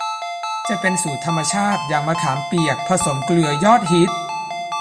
จะเป็นสูตรธรรมชาติอย่างมะขามเปียกผสมเกลือยอดฮิต